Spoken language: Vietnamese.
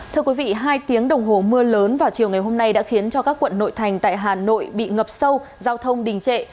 thưa quý vị hai tiếng đồng hồ mưa lớn vào chiều ngày hôm nay đã khiến cho các quận nội thành tại hà nội bị ngập sâu giao thông đình trệ